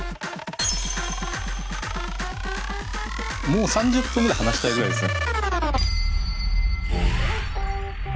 もう３０分ぐらい話したいぐらいですね。